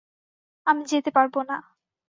আমি যেতে পারবো না।